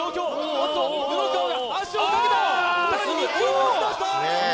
おっと布川が足をかけたさらにみちおも押し出した！